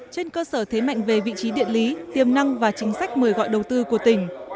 trên cơ sở thế mạnh về vị trí địa lý tiềm năng và chính sách mời gọi đầu tư của tỉnh